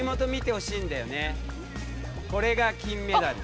これが金メダル。